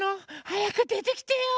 はやくでてきてよ。